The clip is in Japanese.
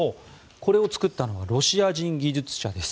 これを作ったのはロシア人技術者です。